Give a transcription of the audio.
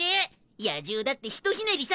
野獣だって一ひねりさ！